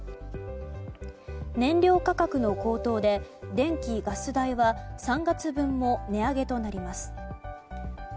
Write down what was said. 燃料価格の高騰で電気・ガス代は３月分も値上げとなります。